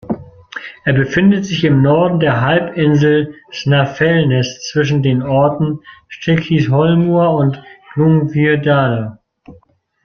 Er befindet sich im Norden der Halbinsel Snæfellsnes zwischen den Orten Stykkishólmur und Grundarfjörður.